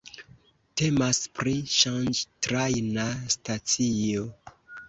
Temas pri ŝanĝtrajna stacio.